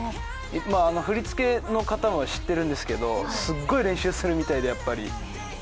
振り付けの方も知っているんですけど、すっごい練習するみたいで、やっぱり。